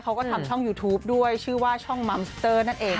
เขาก็ทำช่องยูทูปด้วยชื่อว่าช่องมัมสเตอร์นั่นเอง